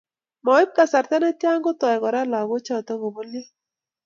Moib kasarta netia kotoi Kora lagochoto kobolyo